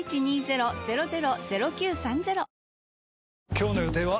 今日の予定は？